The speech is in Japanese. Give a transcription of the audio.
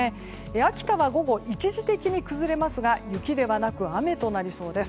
秋田は午後、一時的に崩れますが雪ではなく雨となりそうです。